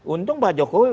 untung pak jokowi